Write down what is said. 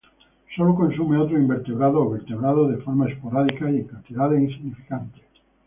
Solo consume otros invertebrados o vertebrados de forma esporádica y en cantidades insignificantes.